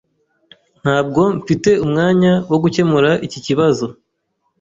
Ntabwo mfite umwanya wo gukemura iki kibazo.